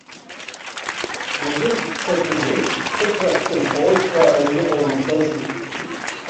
Узырццакызеи, ԥыҭрак сынхоит ҳәа аҩныҟа умцази?